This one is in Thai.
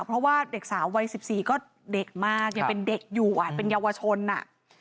เพราะว่าเด็กสาววัย๑๔ก็เด็กมากยังเป็นเด็กอยู่อ่ะเป็นเยาวชนอ่ะ